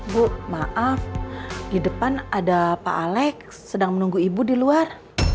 bu maaf di depan ada pak alex sedang menunggu ibu di luar